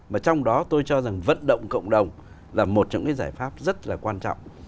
và trong đó tôi cho rằng vận động cộng đồng là một trong cái giải pháp rất là quan trọng